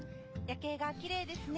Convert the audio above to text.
夜景がきれいですね。